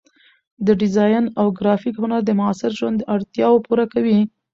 د ډیزاین او ګرافیک هنر د معاصر ژوند اړتیاوې پوره کوي.